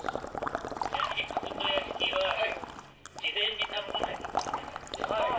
ちなみにかぶと焼きは事前に頼まないと頼めないので。